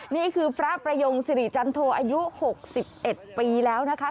นี่คือพระประยงศรีจันทโทอายุหกสิบเอ็ดปีแล้วนะคะ